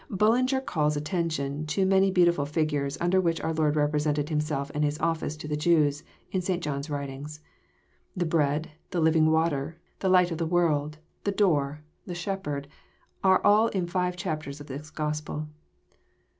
Bullinger calls attention to the many beautiful figures under which our Lord represented Himself and His office to the Jews, in St. John's writings. The Bread, the Living Water, the Light of the World, the Door, the Shepherd, are all in five chapters of this Gospel.